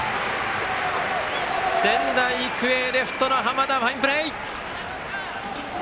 仙台育英、レフトの濱田ファインプレー！